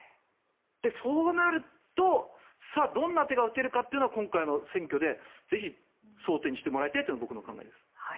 そうなると、さあどんな手が打てるかというのは今回の選挙でぜひ、争点にしてもらいたいというのが僕の考えです。